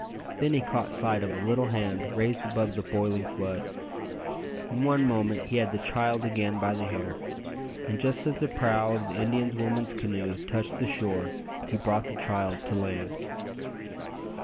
Then he caught sight of a little hand raised above the boiling flood. In one moment he had the child again by the hair, and just as the prow of the Indian woman's canoe touched the shore he brought the child to land.